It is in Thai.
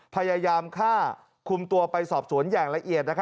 พยายามฆ่าคุมตัวไปสอบสวนอย่างละเอียด